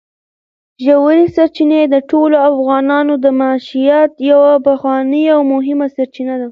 ژورې سرچینې د ټولو افغانانو د معیشت یوه پخوانۍ او مهمه سرچینه ده.